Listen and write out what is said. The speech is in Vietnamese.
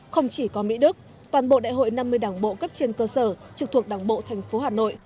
không chỉ có mỹ đức toàn bộ đại hội năm mươi đảng bộ cấp trên cơ sở trực thuộc đảng bộ thành phố hà nội